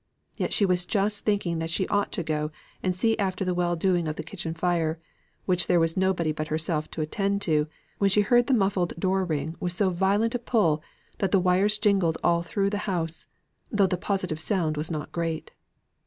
Yet she was just thinking that she ought to go and see after the well doing of the kitchen fire, which there was nobody but herself to attend to, when she heard the muffled door bell ring with so violent a pull, that the wires jingled all through the house, though the positive sound was not great.